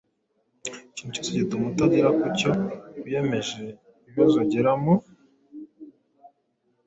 Ikintu cyose gituma utagera ku cyo wiyemeje, ibibazo ugira mu